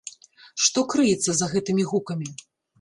Што крыецца за гэтымі гукамі?